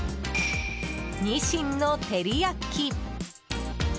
ニシンの照り焼き。